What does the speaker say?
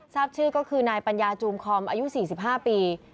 ทราบชื่อก็คือนายปัญญาจูมคอมอายุ๔๕ปี